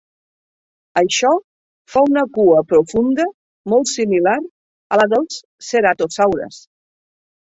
Això fa una cua profunda molt similar a la dels ceratosaures.